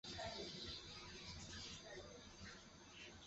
莫济里。